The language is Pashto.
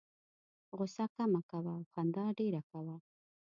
غوسه کمه کوه او خندا ډېره کوه.